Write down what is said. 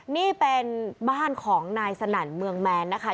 นี่เป็นบ้านของนายสนั่นเมืองแมนนะคะ